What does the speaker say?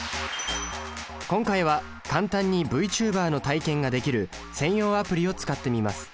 今回は簡単にＶチューバーの体験ができる専用アプリを使ってみます。